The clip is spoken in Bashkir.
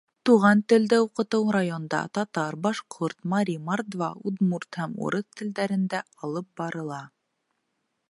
Туған телде уҡытыу районда татар, башҡорт, мари, мордва, удмурт һәм урыҫ телдәрендә алып барыла.